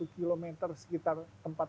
satu kilometer sekitar tempat